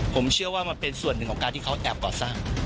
ผมเชื่อว่ามันเป็นส่วนหนึ่งของการที่เขาแอบก่อสร้าง